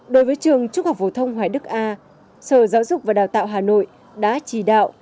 đối với trường trung học phổ thông hoài đức a sở giáo dục và đào tạo hà nội đã chỉ đạo